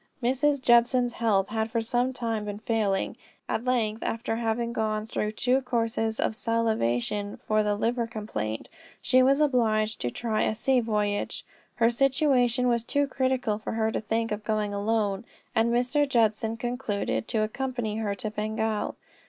Mrs. Judson's health had for some time been failing, and at length after having gone through two courses of salivation for the liver complaint, she was obliged to try a sea voyage. Her situation was too critical for her to think of going alone, and Mr. Judson concluded to accompany her to Bengal.